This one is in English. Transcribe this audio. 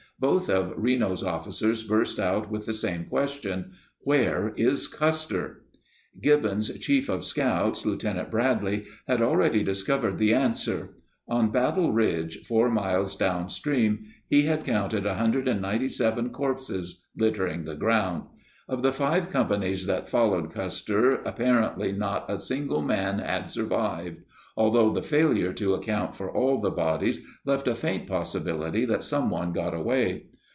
Both of Reno's officers burst out with the same question: Where is Custer? Gibbon's chief of scouts, Lieutenant Bradley, had already discovered the answer. On Battle Ridge, four miles downstream, he had counted 197 corpses littering the ground. Of the five companies that followed Custer, apparently not a single man had survived, although the failure to account for all the bodies left a faint possibility that someone got away.